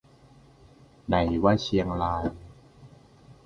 ไหนว่าเชียงราย